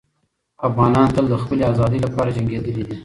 افغانان تل د خپلې ازادۍ لپاره جنګېدلي دي.